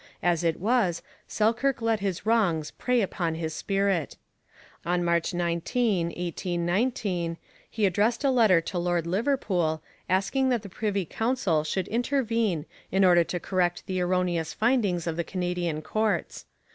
As it was, Selkirk let his wrongs prey upon his spirit. On March 19, 1819, he addressed a letter to Lord Liverpool, asking that the Privy Council should intervene in order to correct the erroneous findings of the Canadian courts.